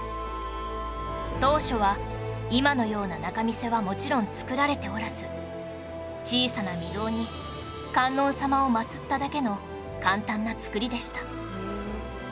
当初は今のような仲見世はもちろん造られておらず小さな御堂に観音様を祀っただけの簡単な造りでした